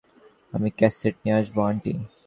আমি ক্যাসেট নিয়ে আসবো, আন্টি।